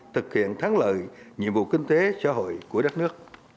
thực hiện thắng lợi nhiệm vụ kinh tế xã hội của đất nước